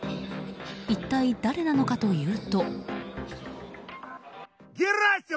一体誰なのかというと。